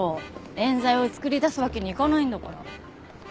冤罪を作り出すわけにはいかないんだから。